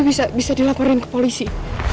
dia bisa dilaparin ke polisi